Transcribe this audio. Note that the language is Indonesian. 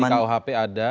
ya karena di kuhp ada